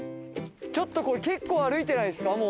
ちょっとこれ結構歩いてないですか？